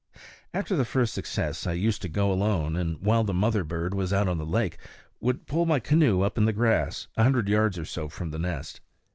After the first success I used to go alone and, while the mother bird was out on the lake, would pull my canoe up in the grass, a hundred yards or so below the nest.